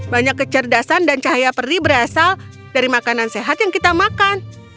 banyak kecerdasan dan cahaya peri berasal dari makanan sehat yang kita makan